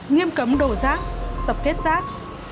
nghiêm cấm đổ rác tập kết rác